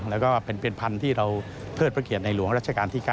แล้วก็เป็นพันธุ์ที่เราเทิดพระเกียรติในหลวงรัชกาลที่๙